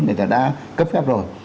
người ta đã cấp phép rồi